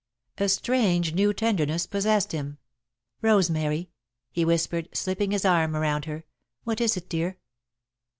A strange, new tenderness possessed him. "Rosemary," he whispered, slipping his arm around her. "What is it dear?"